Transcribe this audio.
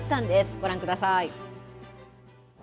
ご覧ください。